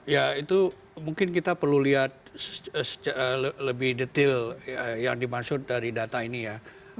ya itu mungkin kita perlu lihat lebih detail yang dimaksud dari data ini ya